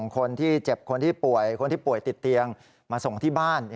คนที่เจ็บคนที่ป่วยคนที่ป่วยติดเตียงมาส่งที่บ้าน